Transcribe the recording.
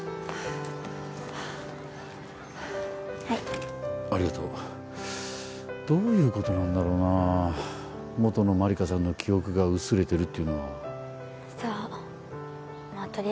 はいありがとうどういうことなんだろうな元の万理華さんの記憶が薄れてるっていうのはさあまっ